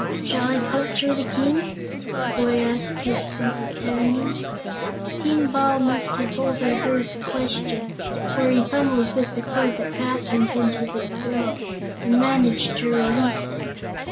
"Shall I puncture the King?" the boy asked his companions. King Bal must have overheard the question, for he fumbled with the cord that fastened him to the throne and managed to release it.